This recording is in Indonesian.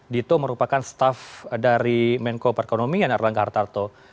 dito merupakan staff dari menko perekonomian erlangga hartarto